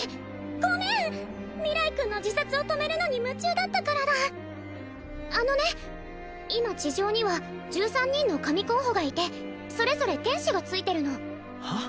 ごめん明日君の自殺を止めるのに夢中だったからだあのね今地上には１３人の神候補がいてそれぞれ天使がついてるのはあ？